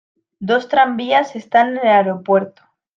Dos tranvías están en el aeropuerto.